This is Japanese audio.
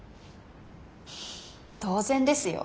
当然ですよ。